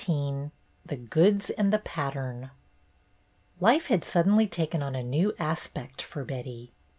XIX THE GOODS AND THE PATTERN I IFE had suddenly taken on a new as j pect for Betty.